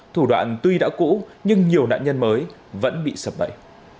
thủ đoạn tuy đã cũ nhưng nhiều nạn nhân mới vẫn bị sập bẫy